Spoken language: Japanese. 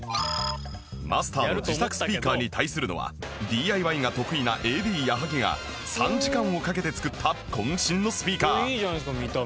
マスターの自作スピーカーに対するのは ＤＩＹ が得意な ＡＤ 矢作が３時間をかけて作った渾身のスピーカー